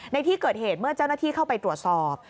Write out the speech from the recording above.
ในที่เกิดเหตุเมื่อเจ้าหน้าที่เข้าไปตรวจสอบ